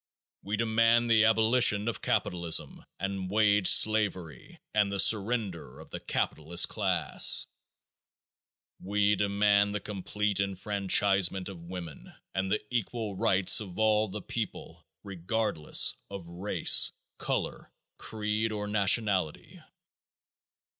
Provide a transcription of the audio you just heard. We demand the abolition of capitalism and wage slavery and the surrender of the capitalist class. We demand the complete enfranchisement of women and the equal rights of all the people regardless of race, color, creed or nationality.